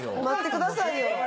待ってくださいよ。